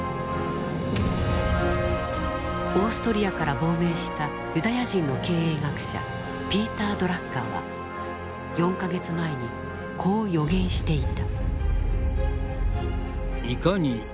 オーストリアから亡命したユダヤ人の経営学者ピーター・ドラッカーは４か月前にこう予言していた。